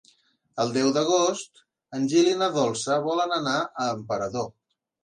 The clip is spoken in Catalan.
El deu d'agost en Gil i na Dolça volen anar a Emperador.